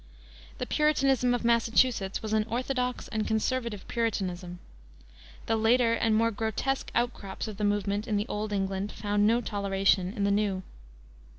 The Puritanism of Massachusetts was an orthodox and conservative Puritanism. The later and more grotesque out crops of the movement in the old England found no toleration in the new.